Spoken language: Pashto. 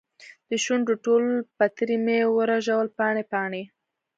دشونډو ټول پتري مې ورژول پاڼې ، پاڼې